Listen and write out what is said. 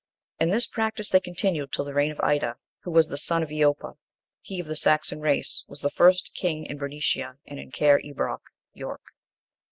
And this practice they continued till the reign of Ida, who was the son of Eoppa, he, of the Saxon race, was the first king in Bernicia, and in Cair Ebrauc (York).